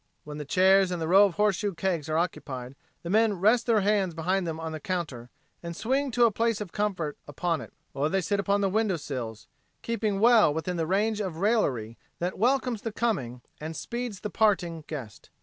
When the chairs and the row of horseshoe kegs are occupied, the men rest their hands behind them on the counter and swing to a place of comfort upon it, or they sit upon the window sills, keeping well within the range of raillery that welcomes the coming and speeds the parting guest.